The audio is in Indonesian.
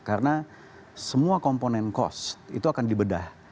karena semua komponen cost itu akan dibedah